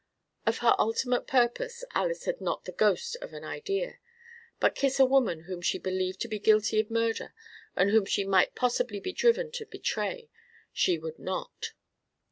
Of her ultimate purpose Alys had not the ghost of an idea, but kiss a woman whom she believed to be guilty of murder and whom she might possibly be driven to betray, she would not.